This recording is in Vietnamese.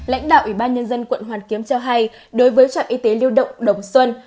lãnh đạo ủy ban nhân dân quận hoàn kiếm cho hay đối với trạm y tế lưu động đồng xuân